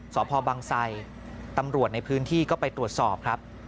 สพบังไสตำรวจในพื้นที่ก็ไปตรวจสอบครับ